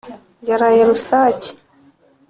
yaraye rusake